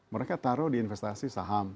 mereka taruh di investasi saham